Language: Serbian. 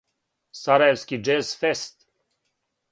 Сарајевски џез фест.